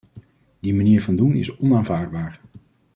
Die manier van doen is onaanvaardbaar.